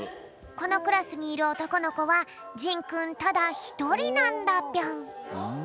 このクラスにいるおとこのこはじんくんただひとりなんだぴょん。